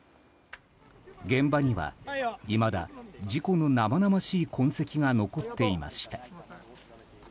現場には、いまだ事故の生々しい痕跡が残っていました。